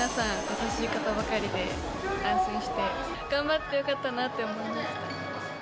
優しい方ばかりで安心して頑張ってよかったなって思いました